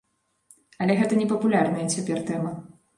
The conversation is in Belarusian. Але гэта непапулярная цяпер тэма.